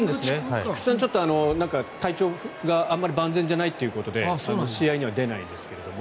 菊池さんは体調があまり万全じゃないということで試合には出ないですけれども。